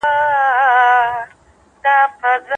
دروني ارامي د زړه سکون دی.